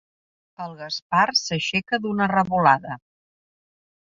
El Gaspar s'aixeca d'una revolada.